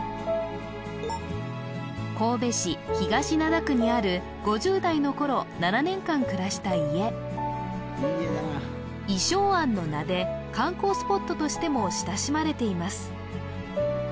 神戸市東灘区にある５０代の頃７年間暮らした家倚松庵の名で観光スポットとしても親しまれています